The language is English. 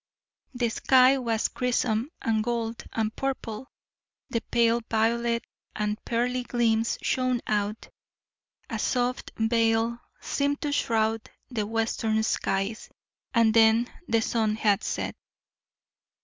The sky was crimson, and gold, and purple, then pale violet, and pearly gleams shone out; a soft veil seemed to shroud the western skies, and then the sun had set.